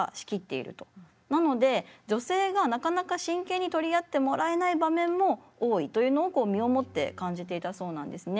なので女性がなかなか真剣に取り合ってもらえない場面も多いというのをこう身をもって感じていたそうなんですね。